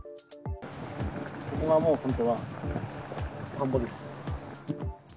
ここがもう、本当は田んぼです。